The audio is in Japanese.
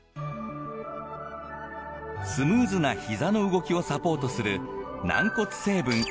スムーズなひざの動きをサポートする。